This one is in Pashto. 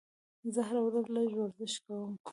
زه هره ورځ لږ ورزش کوم.